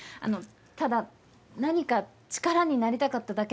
ただ何か力になりたかっただけなんです。